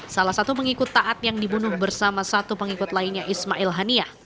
salah satu pengikut taat yang dibunuh bersama satu pengikut lainnya ismail haniah